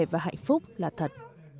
và hạnh phúc là thật